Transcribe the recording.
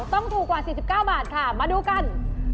ต้องถูกกว่า๔๙บาทค่ะมาดูกัน